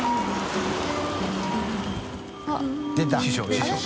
師匠。